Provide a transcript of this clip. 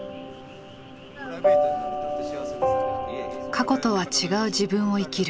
過去とは違う自分を生きる。